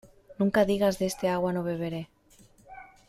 Nunca digas de este agua no beberé.